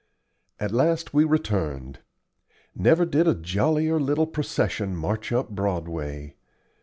At last we returned. Never did a jollier little procession march up Broadway.